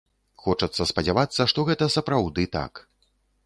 Хочацца спадзявацца, што гэта сапраўды так.